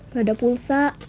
gak ada pulsa